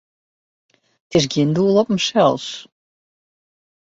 It is gjin doel op himsels.